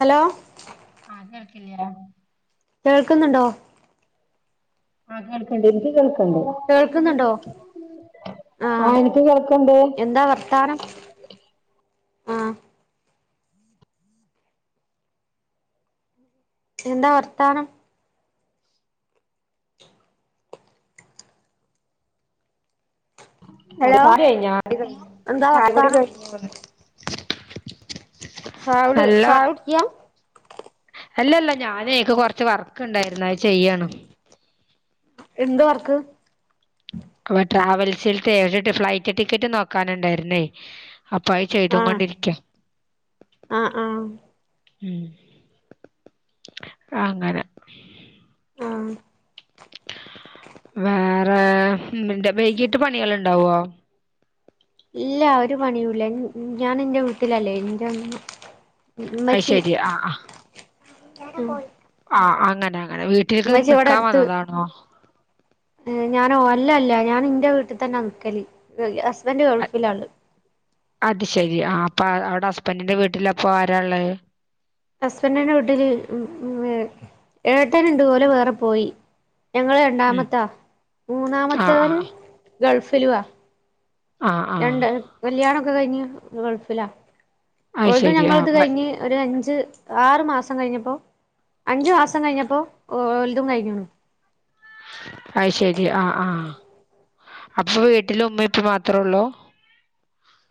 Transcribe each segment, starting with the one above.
Hello ആഹ് കേൾക്കില്ലെ കേൾക്കുന്നുണ്ടോ ആഹ് കേൾക്കണ്ട് എനിക്ക് കേൾ കേൾക്കുന്നുണ്ടോ ആഹ് എനിക്ക് കേൾക്കണ്ട് എന്താ വർത്താനം? ആഹ് എന്താ വർത്താനം? ഹലോ മൽഹാര് കഴിഞ്ഞാ എന്താ ചായകുടി വർത്താനം കഴിഞ്ഞോന്ന്? [unintelligible] നല്ല വർ ചായ കുടിക്ക? അല്ലല്ല ഞാനേ ഇക്ക് കൊറച്ച് വർക്ക് ഒണ്ടാരുന്നു അത് ചെയ്യാണ്. എന്ത് വർക്ക്? അപ്പൊ ട്രാവൽസിൽത്തെ ഒരു ഫ്ലൈറ്റ് ടിക്കറ്റ് നോക്കാന്ണ്ടായിരുന്നേ അപ്പൊ അഅ്‌ ചെയ്ത് ആഹ് ങൊണ്ടിരിക്കാ. ആഹ് ആഹ് അങ്ങനെ. ആഹ് വേറെ വൈകീട്ട് പണീള്ണ്ടാവുഓ? ഇല്ല ഒരു പണിയൂല്ല ഞാൻ എൻറെ വീട്ടിലല്ലേ എന്റെ ഒ അത് ഉമ്മച്ചി ശെരി ആഹ് ആഹ് ആഹ് അങ്ങനെ അങ്ങനെ വീട്ടിലേക്ക് നിക്കാൻ വന്നതാണോ ഞാനൊ അല്ല അല്ല ഞാൻ എന്റെ വീട്ടിൽ തന്നെ നിക്കല് ഹസ്ബൻഡ് ഗൾഫിലാണ് അത് ശരി ആ അപ്പ അവിടെ ഹസ്ബൻഡിന്റെ വീട്ടില് അപ്പോ ആരാ ഉള്ളേ ഹസ്ബൻഡിന്റെ വീട്ടില് ഏട്ടൻ ഉണ്ട് ഓല് വേറെ പോയി ഞങ്ങള് ഉം രണ്ടാമത്തതാ ആഹ് മൂത്തമതാവനും ആഹ് ഗൾഫിലുവാ ആഹ് ആഹ് രണ്ട് കല്യാണൊക്ക കയ്ഞ് ഗൾഫിലാ. അത് ഓളതും ശരി ആഹ് ഞങ്ങള്ത് കഴിഞ്ഞ് ഒരു അഞ്ച്- ആറ് മാസം കഴിഞ്ഞപ്പോ അഞ്ചു മാസം കഴിഞ്ഞപ്പോ ഒല്തും കഴിഞ്ഞ്ണു അയ് ശരി ആഹ് ആഹ് അപ്പൊ വീട്ടില് ഉമ്മിം, ഉപ്പിം മാത്രൊള്ളൂ?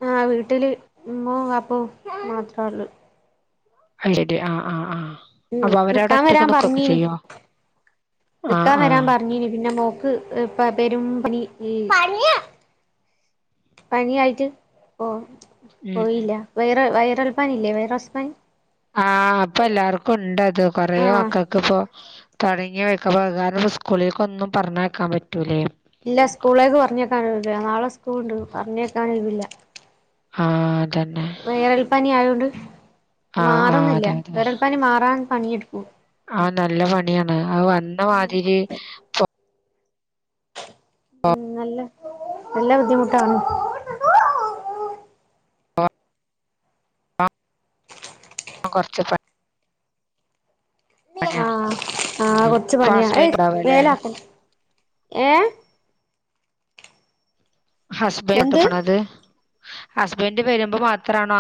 ആഹ് വീട്ടില് ഇമ്മോ വാപ്പോം മാത്രോള്ളൂ [unintelligible] ആഹ് ആഹ് ആഹ്. ഉം അപ്പൊ അവരവിടെ ന്ന്ക്കാം ഒറ്റക്ക് വരാം നിക്കൊക്കെ പർഞ്ഞീനി ചെയ്യോ ആഹ് ന്ന്ക്കാം വരാം ആഹ് പർഞ്ഞീനി. പിന്നെ മോക്ക് പെരും പനി ഈ പനി ആയിട്ട് പോ ഉം ഉം പോയില്ല വൈറ വൈറൽ പനി ഇല്ലേ വൈറസ് പനി. ആഹ് ഇപ്പൊ എല്ലാർക്കും ഇണ്ടത് കൊറെ ആഹ് മക്കക്ക് ഇപ്പോ തൊടങ്ങി വെക്കപ്പാ കാരണം ഇപ്പൊ സ്കൂളിലക്ക് ഒന്നും പറഞ്ഞയക്കാൻ പറ്റൂലേ ഇല്ല സ്കൂൾലേക്ക് പർഞ്ഞേക്കാന് ഒഴ് വില്ല നാളെ സ്കൂൾണ്ട് പർഞ്ഞേക്കാന് ഒയ് വില്ലാ. ആഹ് അതന്നെ വൈറൽപ്പനി ആയോണ്ട് ആഹ് ആഹ് മാറുന്നില്ല അതെ അതെ വൈറൽ പനി മാറാൻ പണിയെടുക്കോ? ആഹ് നല്ല പണിയാണ് ആ വന്ന മാതിരി പോവാൻ ഉം നല്ല നല്ല ബുദ്ധിമുട്ടാണ് കുറച്ച് [unintelligible] പണിയാണ് ആഹ് ആഹ് ഉം കൊർച്ച് അപ്പൊ പണിയാ ഏയ് ഹസ്ബൻഡ് ഉണ്ടാവുംല്ലേ മേലാക്കും ഏഹ്? ഹസ്ബൻഡ് എന്ത് ഇട്ടക്കണത് ഹസ്ബൻഡ് വരുമ്പോ മാത്രവാണോ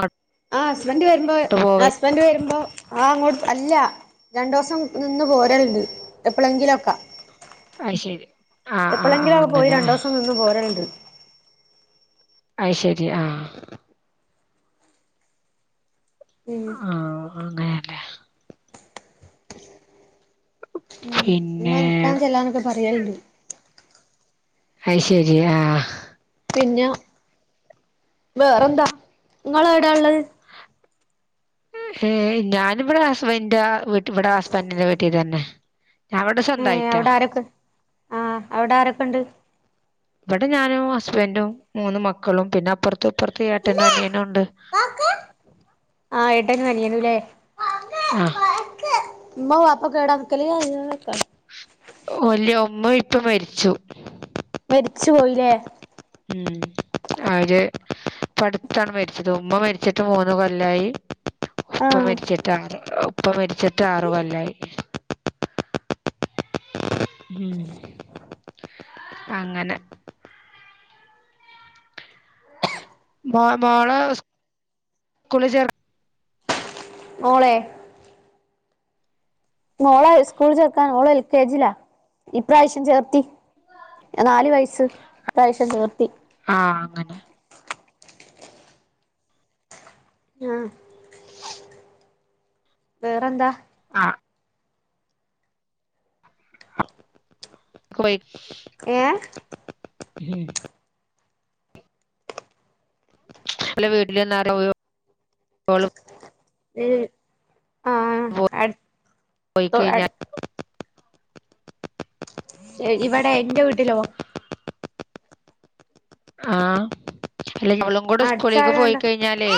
ആഹ് ഹസ്ബന്റ് വരുമ്പോ ഹസ്ബന്റ് വരുമ്പോ ആഹ് അങ്ങോട്ട് അല്ലാ രണ്ടു ദിവസം നിന്ന് പോരൽ ഇണ്ട്‌ എപ്പഴെങ്കിലൊക്ക അത് ശരി ആഹ് ആഹ് എപ്പളെങ്കിലും ആഹ് അവിടെ പോയി അങ്ങനെ രണ്ട് ദിവസം നിന്ന് പോരലുണ്ട് അഅ്‌ ശെരി ആഹ്. ഉം ആഹ് അങ്ങനെ. ഉം പിന്നെ നിൽക്കാൻ ചെല്ലാന്നൊക്കെ പറയലുണ്ട് അയ് ശരി ആഹ്. പിന്നെ വേറെന്താ? ഇങ്ങള് എവിടെയാ ഇള്ളത്? പക്ഷേ ഞാനിവിടെ ഹസ്ബൻഡിന്റെ ഇവടെ ഹസ്ബൻഡിന്റെ വീട്ടി തന്നെ ഞാൻ ഇവിടെ ഏഹ് സ്വന്തമായിട്ടാ അവടെ ആരക്കണ്ട് ആഹ് അവടെ ആരക്കണ്ട്? ഇവിടെ ഞാനും ഹസ്ബൻഡും മൂന്ന് മക്കളും പിന്നെ അപ്പുറത്തും ഇപ്പുറത്തും ഏട്ടനും അനിയനും ഉണ്ട് ആഹ് ഏട്ടനും അനിയനുല്ലേ ആഹ് ഉമ്മ വാപ്പൊക്കവെടാ നിക്കല് [unintelligible] ഓല് ഉമ്മ ഇപ്പൊ മരിച്ചു മരിച്ചു പോയില്ലേ അതേ ഇപ്പടുത്താണ് മരിച്ചത് ഉമ്മ മരിച്ചിട്ട് മൂന്നു കൊല്ലായി ഉപ്പ ആഹ് മരിച്ചിട്ട് ആറ് ഉപ്പ മരിച്ചിട്ട് ആറുകൊല്ലായി ഉം അങ്ങനെ മോ മോളെ സ്കൂളി ചേർ ഓളെ മോളെ സ്കൂൾ ചേർക്കാ ഓള് എൽ കെ ജി ലാ ഇപ്രാവശ്യം ചേർത്തി നാല് വയസ്സ് ഇപ്രാവശ്യം ചേർത്തി ആഹ് അങ്ങനെ ആഹ് വേറെന്താ ആഹ് [unintelligible] ഏഹ് ഹം ഓലെ വീട്ടില് [unintelligible] ഏഹ് ആഹ് പോ അട് പോയി കഴിഞ്ഞാ ഇവടെ എന്റെ വീട്ടിലോ ആഹ് അല്ല അവളും കൂടെ സ്കൂളിക്ക് അടുത്തായോണ്ട് പോയി കഴിഞ്ഞാലേ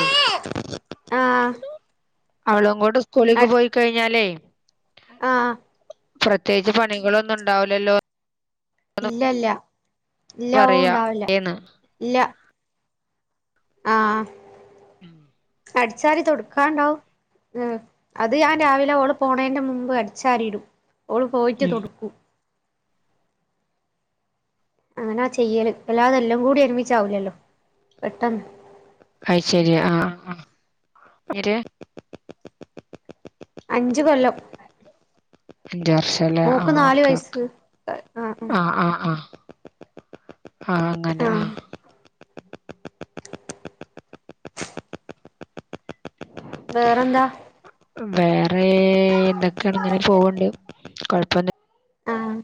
ആഹ് അവളും കൂടെ സ്കൂളിക്ക് അടു പോയി കഴിഞ്ഞാലേ ആഹ് പ്രത്യേകിച്ച് പണികളൊന്നും ഉണ്ടാവില്ലല്ലോ ഇല്ല ഇല്ല ഇല്ലോ പറയാ ഉണ്ടാവില്ല ഏന്ന് ഇല്ല ആഹ് ഉം അടിച്ചാരി തൊടുക്കാണ്ടാവും ഏഹ് അത് ഞാൻ രാവിലെ ഓള് പോണേന്റെ മുമ്പ് അടിച്ചാരിടും ഓള് പോയിട്ട് ഉം തൊടുക്കും അങ്ങന ചെയ്യല് അല്ലാതെല്ലാം കൂടി ഒരുമിച്ചാവില്ലല്ലോ പെട്ടെന്ന് അയ് ശെരിയ ആഹ് ആഹ് [unintelligible] അഞ്ച് കൊല്ലം അഞ്ചു വർഷം അല്ലെ മോക്ക് ആഹ് നാല് ഒക്കെ വയസ്സ് ഒക്കെ ആഹ് ആഹ് ആഹ് ആഹ് അങ്ങനെ ആഹ് വേറെന്താ വേറേ എന്തൊക്കെങ്ങനെ പോവണ്ട് കൊഴപ്പന്നും ആഹ്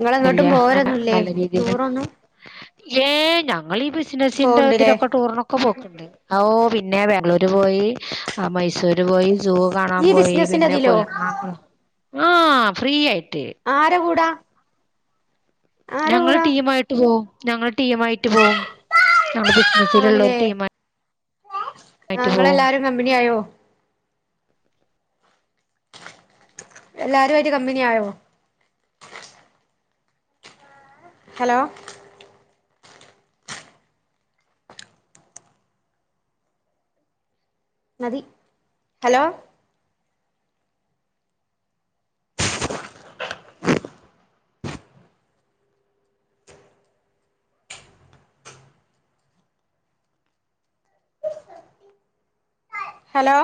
ഇങ്ങള് എങ്ങട്ടും പോവരൊന്നുല്ലേ ടൂറൊന്നും ഏഹ് ഞങ്ങള് ഈ ബിസിനസിന്റെ പോവ്ണ്ട്ല്ലേ ഇതിലൊക്കെ ടൂറിനൊ ക്കെ പോക്ക്ണ്ട് ഓഹ് പിന്നെ ബാംഗ്ലൂര് പോയി ആ മൈസൂര് പോയി സൂ കാണാൻ നീ പോയി ബിസിനസിന്റെ പിന്നെ ഇതിലോ എറണാകുളം ആഹ് ഫ്രീ ആയിട്ട് ആര കൂടാ ആരെ ഞങ്ങള് കൂടാ ടീമായിട്ട് പോവും ഞങ്ങള് ടീമായിട്ട് പോവും [unintelligible] ഒരു ആണ്ല്ലേ ടീമായിട്ട് ആഹ് പോവും ഇങ്ങളെല്ലാരും കമ്പനി ആയോ എല്ലാരും ആയിറ്റ് കമ്പനി ആയോ? ഹലോ നദി ഹലോ ഹലോ